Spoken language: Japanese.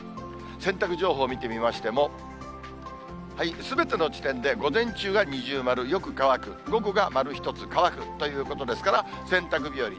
洗濯情報を見てみましても、すべての地点で、午前中が二重丸、よく乾く、午後が丸１つ、乾くということですから、洗濯日和。